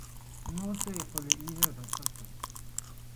Maɣef ay yeqqel Yidir d amsaltu?